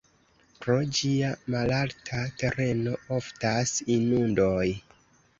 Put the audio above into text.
Pro ĝia malalta tereno oftas inundoj.